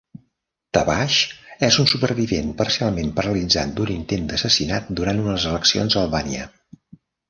Tabaj és un supervivent parcialment paralitzat d"un intent d"assassinat durant unes eleccions a Albània.